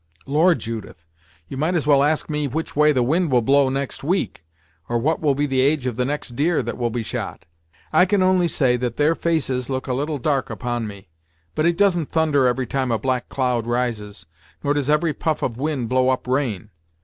"Lord, Judith, you might as well ask me which way the wind will blow next week, or what will be the age of the next deer that will be shot! I can only say that their faces look a little dark upon me, but it doesn't thunder every time a black cloud rises, nor does every puff of wind blow up rain.